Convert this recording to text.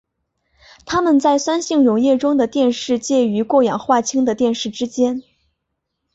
它们在酸性溶液中的电势介于过氧化氢的电势之间。